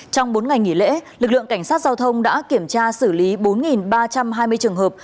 trong bốn ngày nghỉ lễ lực lượng cảnh sát giao thông đã kiểm tra xử lý bốn ba trăm hai mươi trường hợp